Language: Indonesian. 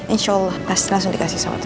insya allah langsung dikasih sama tante